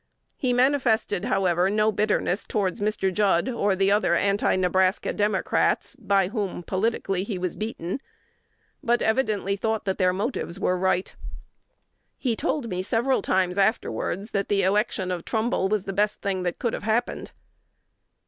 He manifested, however, no bitterness towards Mr. Judd, or the other Anti Nebraska Democrats, by whom politically he was beaten, but evidently thought that their motives were right. He told me several times afterwards, that the election of Trumbull was the best thing that could have happened."